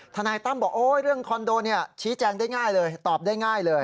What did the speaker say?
นายตั้มบอกเรื่องคอนโดเนี่ยชี้แจงได้ง่ายเลยตอบได้ง่ายเลย